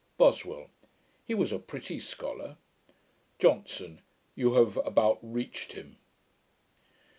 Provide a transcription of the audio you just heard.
BOSWELL. 'He was a pretty scholar.' JOHNSON. 'You have about reached him.'